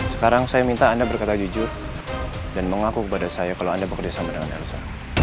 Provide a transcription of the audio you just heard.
sekarang saya minta anda berkata jujur dan mengaku kepada saya kalau anda bekerja sama dengan elsa